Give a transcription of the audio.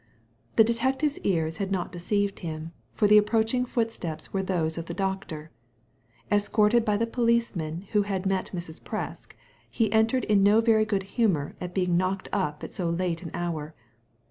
The detective's ears had not deceived him, for the approaching footsteps were those of the doctor. Escorted by the policeman who had met Mrs. Presk, he entered in no very good humour at being knocked up at so late an hour.